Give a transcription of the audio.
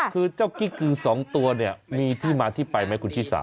คือเจ้ากิ๊กกือ๒ตัวเนี่ยมีที่มาที่ไปไหมคุณชิสา